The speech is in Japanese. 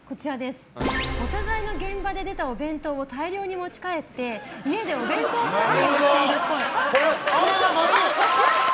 お互いの現場で出たお弁当を大量に持ち帰って家でお弁当パーティーを○だ！